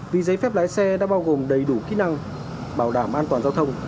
vì giấy phép lái xe đã bao gồm đầy đủ kỹ năng bảo đảm an toàn giao thông